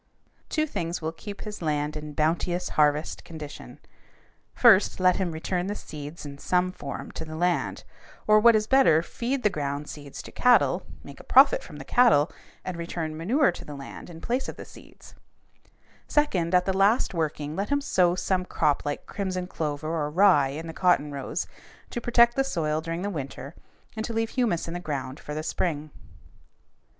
Two things will keep his land in bounteous harvest condition: first, let him return the seeds in some form to the land, or, what is better, feed the ground seeds to cattle, make a profit from the cattle, and return manure to the land in place of the seeds; second, at the last working, let him sow some crop like crimson clover or rye in the cotton rows to protect the soil during the winter and to leave humus in the ground for the spring.